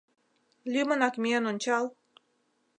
— Лӱмынак миен ончал.